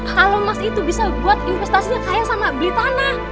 kalau mas itu bisa buat investasinya kaya sama beli tanah